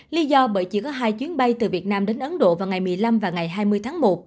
lý do bởi chỉ có hai chuyến bay từ việt nam đến ấn độ vào ngày một mươi năm và ngày hai mươi tháng một